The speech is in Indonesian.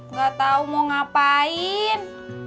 nggak tahu mau ngapain